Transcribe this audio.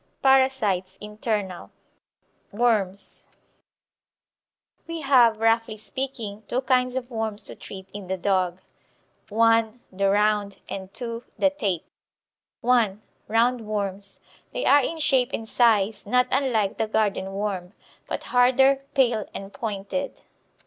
PARASITES INTERNAL. WORMS. We have, roughly speaking, two kinds of worms to treat in the dog: (1) the round, and (2) the tape. (1) Round worms They are in shape and size not unlike the garden worm, but harder, pale, and pointed.